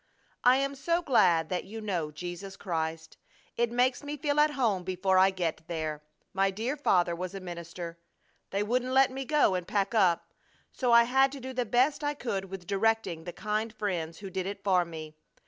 I am so glad that you know Jesus Christ. It makes me feel at home before I get there. My dear father was a minister. They wouldn't let me go and pack up, so I had to do the best I could with directing the kind friends who did it for me.